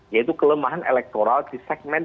yaitu kelemahan elektoral di segmen